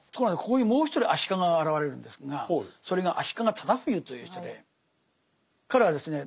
ここにもう一人足利が現れるんですがそれが足利直冬という人で彼はですね